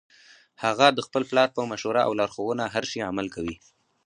هغه د خپل پلار په مشوره او لارښوونه هر شي عمل کوي